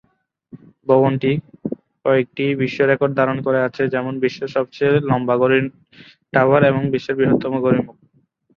ভবনটি কয়েকটি বিশ্ব রেকর্ড ধারণ করে আছে; যেমন- বিশ্বের সবচেয়ে লম্বা ঘড়ির টাওয়ার এবং বিশ্বের বৃহত্তম ঘড়ি মুখ।